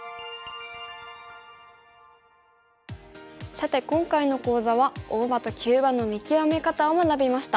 さて今回の講座は大場と急場の見極め方を学びました。